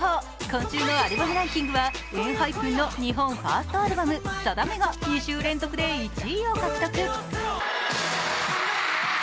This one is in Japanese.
今週のアルバムランキングはＥＮＨＹＰＥＮの日本ファーストアルバム「定め」が２週連続で１位を獲得。